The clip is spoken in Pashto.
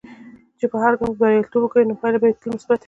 که په هر ګام کې بریالیتوب وګورې، نو پایلې به تل مثبتي وي.